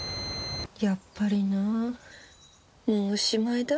やっぱりなもうおしまいだ。